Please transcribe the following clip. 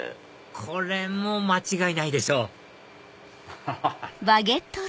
これも間違いないでしょアハハハ！